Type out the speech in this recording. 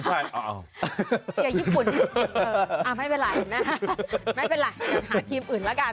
เชียญญี่ปุ่นไม่เป็นไรนะไม่เป็นไรอย่าหาทีมอื่นละกัน